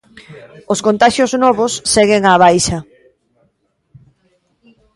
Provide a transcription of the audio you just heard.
Os contaxios novos seguen á baixa.